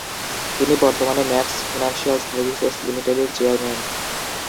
তিনি বর্তমানে Max financial services লিমিটেডের চেয়ারম্যান।